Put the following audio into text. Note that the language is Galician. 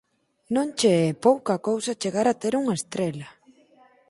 Non che é pouca cousa chegar a ter unha estrela!